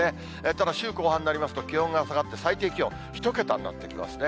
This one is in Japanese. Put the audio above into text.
ただ、週後半になりますと気温が下がって、最低気温、１桁になってきますね。